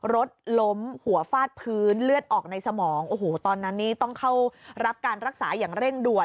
รถล้มหัวฟาดพื้นเลือดออกในสมองโอ้โหตอนนั้นนี่ต้องเข้ารับการรักษาอย่างเร่งด่วน